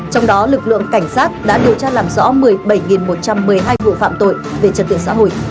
trong đó lực lượng cảnh sát đã điều tra làm rõ một mươi bảy một trăm một mươi hai vụ phạm tội về trật tự xã hội